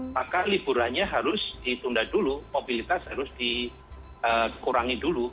maka liburannya harus ditunda dulu mobilitas harus dikurangi dulu